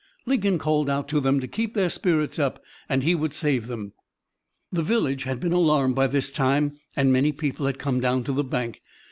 Lincoln called out to them to keep their spirits up and he would save them. "The village had been alarmed by this time, and many people had come down to the bank.